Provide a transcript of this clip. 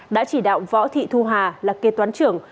đã chỉ đạo võ thị thu hà là kê toán trưởng